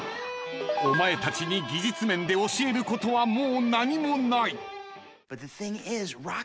［お前たちに技術面で教えることはもう何もない］